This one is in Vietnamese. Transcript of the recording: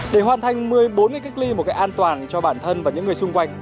để hoàn thành một mươi bốn ngày cách ly một cách an toàn cho bản thân và những người xung quanh